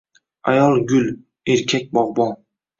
Ayol-gul. Erkak-bog’bon.